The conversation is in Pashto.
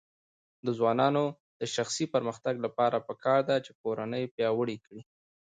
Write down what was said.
د ځوانانو د شخصي پرمختګ لپاره پکار ده چې کورنۍ پیاوړې کړي.